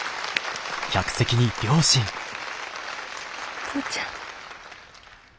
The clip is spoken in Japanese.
お父ちゃん。